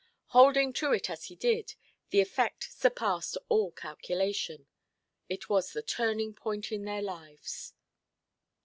Holding to it as he did, the effect surpassed all calculation. It was the turning–point in their lives.